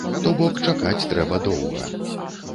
То бок чакаць трэба доўга.